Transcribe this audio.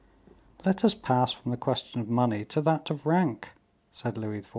"Let us pass from the question of money to that of rank," said Louis XIV.